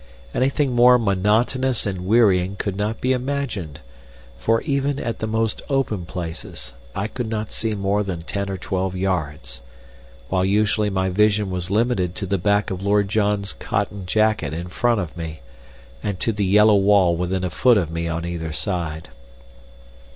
Anything more monotonous and wearying could not be imagined, for, even at the most open places, I could not see more than ten or twelve yards, while usually my vision was limited to the back of Lord John's cotton jacket in front of me, and to the yellow wall within a foot of me on either side.